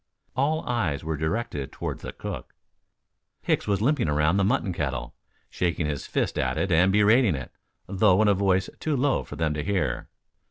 All eyes were directed toward the cook. Hicks was limping around the mutton kettle, shaking his fist at it and berating it, though in a voice too low for them to hear.